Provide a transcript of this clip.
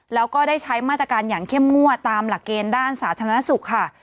แล้วก็ได้ใช้มาตรการอย่างเข้มงวดตามหลักเกณฑ์ด้านสาธารณสุขค่ะ